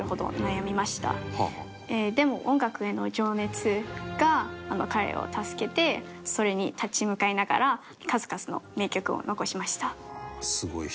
でも音楽への情熱が彼を助けてそれに立ち向かいながら数々の名曲を残しました。